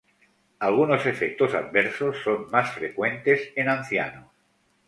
Algunos efectos adversos son más frecuentes en ancianos.